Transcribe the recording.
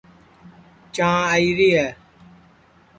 چانٚھ آئیری ہے